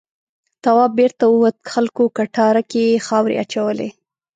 تواب بېرته ووت خلکو کټاره کې خاورې اچولې.